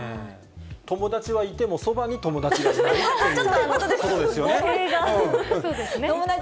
友達はいても、そばに友達がいないっていうことですよね。